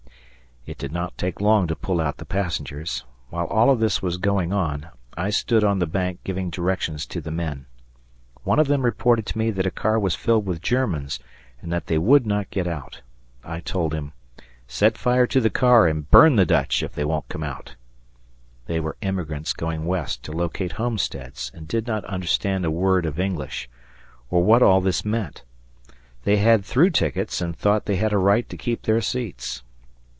It did not take long to pull out the passengers. While all of this was going on, I stood on the bank giving directions to the men. One of them reported to me that a car was filled with Germans, and that they would not get out. I told him, "Set fire to the car and burn the Dutch, if they won't come out." They were immigrants going west to locate homesteads and did not understand a word of English, or what all this meant. They had through tickets and thought they had a right to keep their seats.